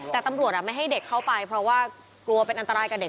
แต่ตำรวจไม่ให้เด็กเข้าไปเพราะว่ากลัวเป็นอันตรายกับเด็ก